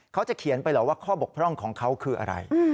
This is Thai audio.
เขาจะเขียนไปเหรอว่าข้อบกพร่องของเขาคืออะไร